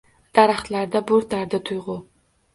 Daraxtlarda boʻrtardi tuygʻu